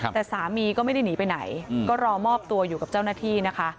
แต่สามีก็ไม่ได้หนีไปไหนก็รอมอบตัวอยู่กับเจ้าหน้าที่นะคะ